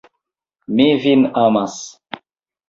Mi vin amas.